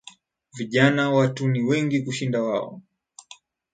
Vijana watu ni wengi kushinda wao